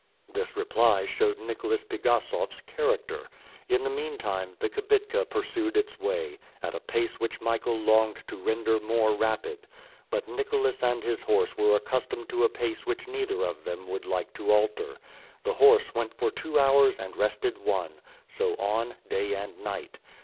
This reply showed Nicholas Pigassof's character. In the meanwhile the kibitka pursued its way, at a pace which Michael longed to render more rapid. But Nicholas and his horse were accustomed to a pace which neither of them would like to alter. The horse went for two hours and rested one so on, day and night.